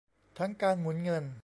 ทั้งการหมุนเงิน